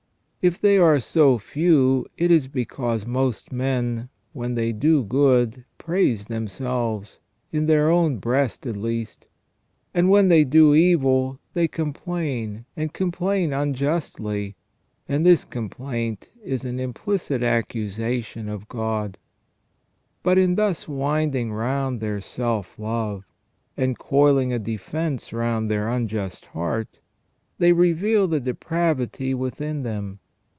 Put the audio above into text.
If they are so few, it is because most men when they do good praise themselves, in their own breast at least ; and when they do evil, they complain, and complain unjustly, and this complaint is an implicit accusation of God. But in thus winding round their self love, and coiling a defence round their unjust heart, they reveal the depravity within them.